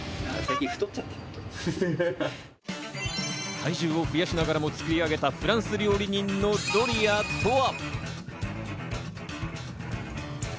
体重を増やしながらも作り上げたフランス料理人のドリアとは？